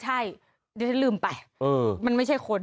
อ๋อใช่เดี๋ยวจะลืมไปมันไม่ใช่คน